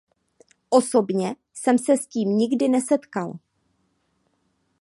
Osobně jsem se s ním nikdy nesetkal.